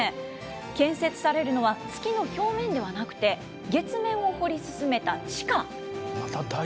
建設されるのは月の表面ではなくて、月面を掘り進めた地下。